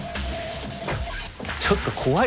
ちょっと怖いな。